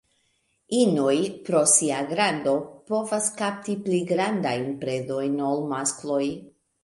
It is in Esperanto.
Inoj pro sia grando povas kapti pli grandajn predojn ol maskloj.